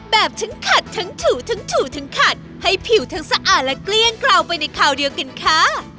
แบบทั้งขัดทั้งถูทั้งถูทั้งขัดให้ผิวทั้งสะอาดและเกลี้ยงเกราวไปในคราวเดียวกันค่ะ